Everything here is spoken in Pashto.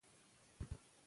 درمل د بدن کې چټک حل کېږي.